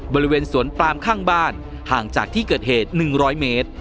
บริเวณสวนปลามข้างบ้านห่างจากที่เกิดเหตุ๑๐๐เมตร